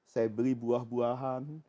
saya beli buah buahan